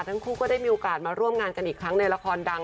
ทั้งคู่ก็ได้มีโอกาสมาร่วมงานกันอีกครั้งในละครดัง